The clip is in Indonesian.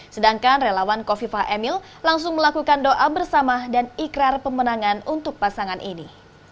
sedangkan relawan kofifah emil langsung melakukan doa bersama dan ikrar pemenangan untuk pasangan ini